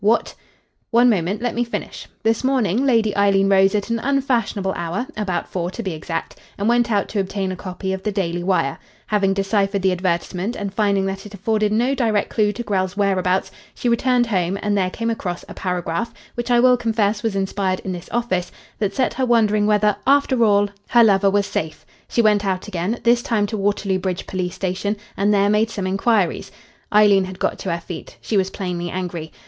What " "One moment. Let me finish. This morning Lady Eileen rose at an unfashionable hour about four, to be exact and went out to obtain a copy of the Daily Wire. Having deciphered the advertisement, and finding that it afforded no direct clue to Grell's whereabouts, she returned home and there came across a paragraph which I will confess was inspired in this office that set her wondering whether, after all, her lover was safe. She went out again this time to Waterloo Bridge police station and there made some inquiries " Eileen had got to her feet. She was plainly angry.